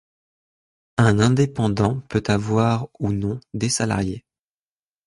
Un indépendant peut avoir ou non des salariés.